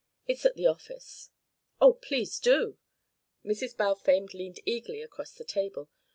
It's at the office." "Oh, please do!" Mrs. Balfame leaned eagerly across the table.